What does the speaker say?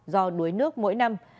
do đối nước mỗi năm